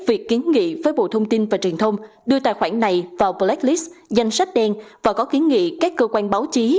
việc kiến nghị với bộ thông tin và truyền thông đưa tài khoản này vào blacklist danh sách đen và có kiến nghị các cơ quan báo chí